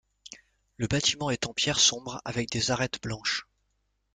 Le bâtiment est en pierre sombre avec des arêtes blanches.